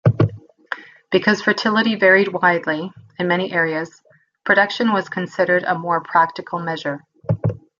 Because fertility varied widely, in many areas, production was considered a more practical measure.